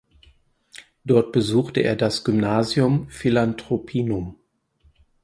Dort besuchte er das Gymnasium Philanthropinum.